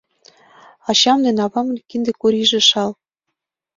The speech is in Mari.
Ачам ден авамын кинде курийже жал.